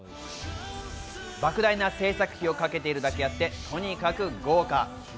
莫大な製作費をかけているだけあってとにかく豪華。